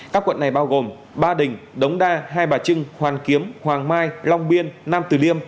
các quận này bao gồm ba đình đống đa hai bà trưng hoàn kiếm hoàng mai long biên nam tử liêm